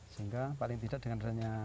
sehingga paling tidak dengan